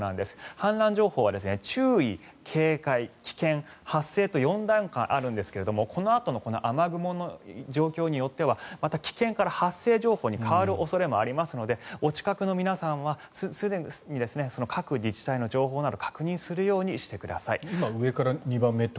氾濫情報は注意、警戒、危険発生と４段階あるんですがこのあと雨雲の状況によってはまた危険から発生情報に変わる恐れもありますのでお近くの皆さんはすぐに各自治体の情報などを確認するようにしてください。